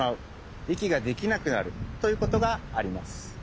いきができなくなるということがあります。